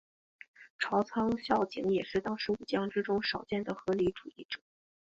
朝仓孝景也是当时武将之中少见的合理主义者。